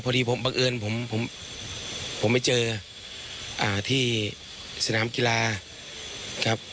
พอดีผมบังเอิญผมผมไปเจอที่สนามกีฬาครับ